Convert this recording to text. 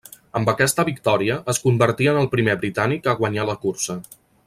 Amb aquesta victòria es convertí en el primer britànic a guanyar la cursa.